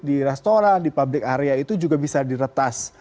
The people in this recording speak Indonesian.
di restoran di public area itu juga bisa diretas